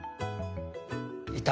いた。